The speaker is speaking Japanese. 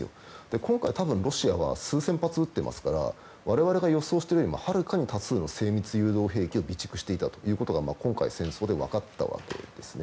今回ロシアは数先発撃ってますから我々が予想してるよりもはるかに多数の精密誘導兵器を備蓄していたことが今回の戦争で分かったわけです。